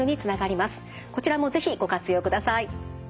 こちらも是非ご活用ください。